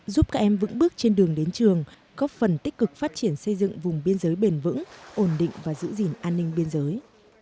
giúp các em vững bước trên đường đến trường góp phần tích cực phát triển xây dựng vùng biên giới bền vững ổn định và giữ gìn an ninh biên giới